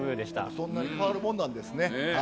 そんなに変わるもんなんですね。